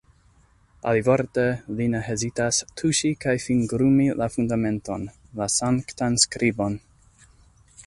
Alivorte, li ne hezitas tuŝi kaj fingrumi la fundamenton, la sanktan skribon.